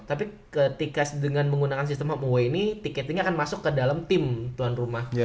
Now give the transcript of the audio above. tapi ketika dengan menggunakan sistem away ini tiketingnya akan masuk ke dalam tim tuan rumah